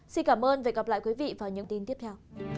xin cảm ơn và hẹn gặp lại quý vị vào những tin tiếp theo